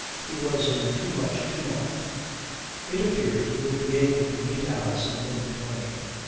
He was in too much tumult. It appeared that he would be able to meet Alison in the morning.